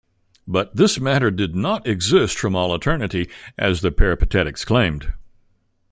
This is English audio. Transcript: But this matter did not exist from all eternity, as the Peripatetics claimed.